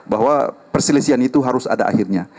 bahwa perselisian itu harus ada akhirnya